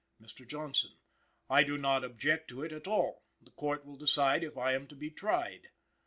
"Mr. Johnson. I do not object to it at all. The Court will decide if I am to be tried.